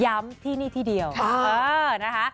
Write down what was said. ย้ำที่นี่ทีเดียวเออนะคะ